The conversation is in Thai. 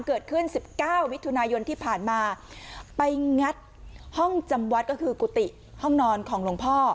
เกิดขึ้นสิบเก้ามิถุนายนที่ผ่านมาไปงัดห้องจำวัดก็คือกุฏิห้องนอนของหลวงพ่อ